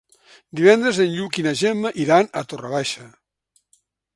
Divendres en Lluc i na Gemma iran a Torre Baixa.